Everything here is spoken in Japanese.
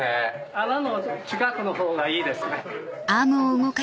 穴の近くの方がいいですね。